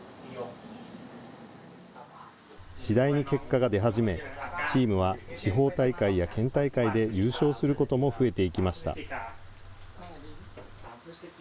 次第に結果が出始め、チームは地方大会や県大会で優勝することも増えていきました。